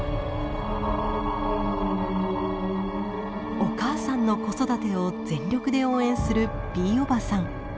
お母さんの子育てを全力で応援するＢおばさん。